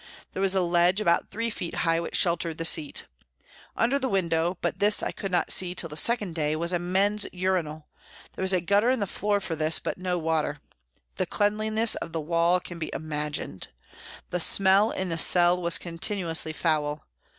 There was a ledge about three feet high, which sheltered the seat. Under the window, but this I could not NEWCASTLE 215 see till the second day, was a men's urinal, there was a gutter in the floor for this, but no water. The cleanliness of the wall can be imagined. The smell in the cell was continuously foul.